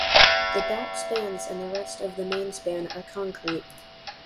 The back spans and the rest of the main span are concrete.